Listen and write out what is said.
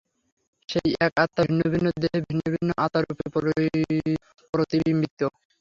সেই এক আত্মা ভিন্ন ভিন্ন দেহে ভিন্ন ভিন্ন আত্মারূপে প্রতিবিম্বিত।